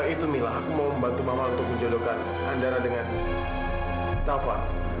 itu mila mau membantu mama untuk menjodohkan antara dengan tava